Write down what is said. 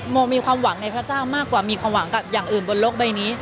โมมีความหวังในพระเจ้ามากกว่ามีความหวังกับอย่างอื่นบนโลกใบนี้